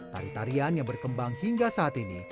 tari tarian yang berkembang hingga saat ini